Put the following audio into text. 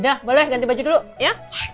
dah boleh ganti baju dulu ya